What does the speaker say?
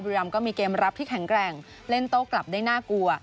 รามก็มีเกมรับที่แข็งแกร่งเล่นโต้กลับได้น่ากลัว